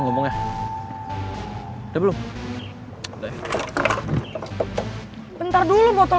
nanti waktu mereka nonton